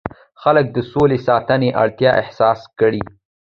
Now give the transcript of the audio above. خلک د سولې ساتنې اړتیا احساس کړي.